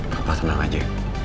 papa tenang aja